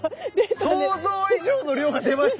想像以上の量が出ました！